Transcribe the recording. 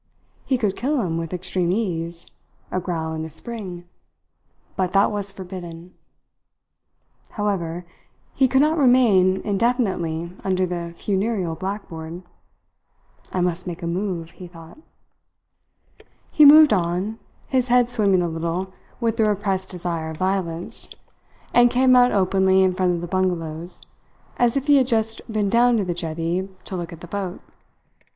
He could kill him with extreme ease a growl and a spring but that was forbidden! However, he could not remain indefinitely under the funereal blackboard. "I must make a move," he thought. He moved on, his head swimming a little with the repressed desire of violence, and came out openly in front of the bungalows, as if he had just been down to the jetty to look at the boat.